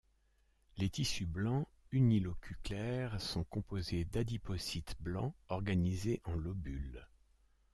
Les tissus blancs unilocuclaires sont composés d'adipocytes blancs organisés en lobules.